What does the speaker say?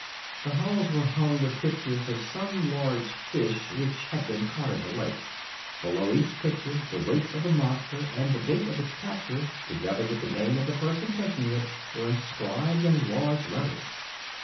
The walls were hung with pictures of some large fish which had been caught in the lake. Below each picture the weight of the monster and the date of its capture, together with the name of the person taking it, were inscribed in large letters.